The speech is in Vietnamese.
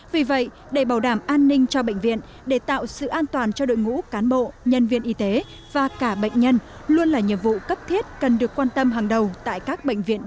vì vậy để bảo đảm an ninh cho bệnh viện để tạo sự an toàn cho đội ngũ cán bộ nhân viên y tế và cả bệnh nhân luôn là nhiệm vụ cấp thiết cần được quan tâm hàng đầu tại các bệnh viện